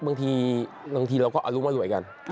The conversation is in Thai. บางทีเราก็อรุมอร่วยกัน